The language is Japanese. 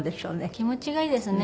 気持ちがいいですね。